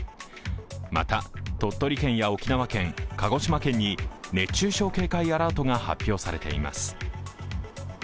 また、鳥取県や沖縄県、鹿児島県に熱中症警戒アラートが発表されています。